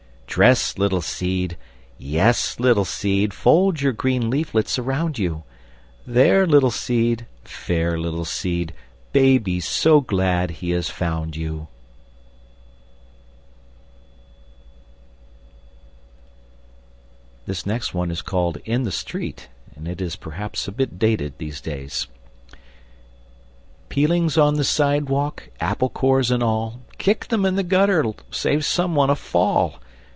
Dress, little seed! Yes, little seed, Fold your green leaflets around you; There, little seed! Fair little seed, Baby's so glad he has found you! [Illustration: In the Street] IN THE STREET Peelings on the sidewalk, Apple cores and all, Kick them in the gutter; Save some one a fall!